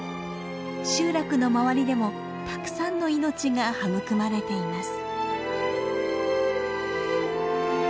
集落の周りでもたくさんの命が育まれています。